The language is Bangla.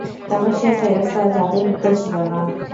তবে সে ফেরেশতা জাতিভুক্ত ছিল না।